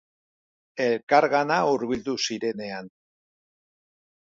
Elkargana hurbildu zirenean.